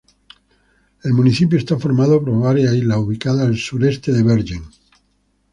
El municipio está formado por varias islas ubicado al sur-oeste de Bergen.